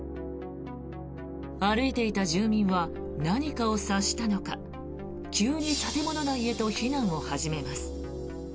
歩いていた住民は何かを察したのか急に建物内へと避難を始めます。